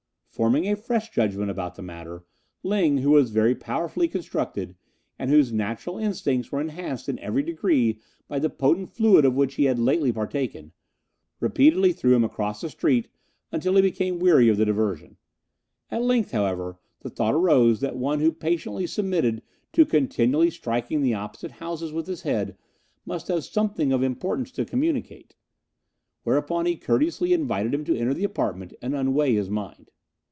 Forming a fresh judgment about the matter, Ling, who was very powerfully constructed, and whose natural instincts were enhanced in every degree by the potent fluid of which he had lately partaken, repeatedly threw him across the street until he became weary of the diversion. At length, however, the thought arose that one who patiently submitted to continually striking the opposite houses with his head must have something of importance to communicate, whereupon he courteously invited him to enter the apartment and unweigh his mind.